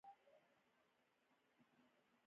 دویم دا چې دا کار د ټولنیزو کارونو یوه برخه ده